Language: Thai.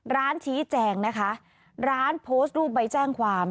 ร้านชี้แจงนะคะร้านโพสต์รูปใบแจ้งความ